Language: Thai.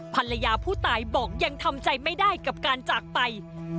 ภรรยาผู้ตายบอกยังทำใจไม่ได้กับการจากไป